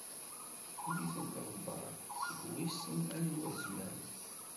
Tuli-ten tɣebbart seg wissen anwa zzman.